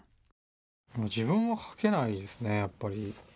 自分は書けないですねやっぱり。